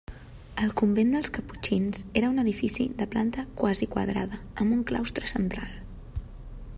El Convent dels Caputxins era un edifici de planta quasi quadrada, amb un claustre central.